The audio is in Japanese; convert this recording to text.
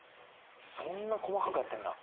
そんな細かくやってんだ